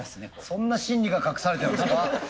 そんな心理が隠されてるんですか？